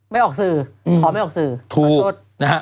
ไม่ออกสื่อขอไม่ออกสื่อขอโทษ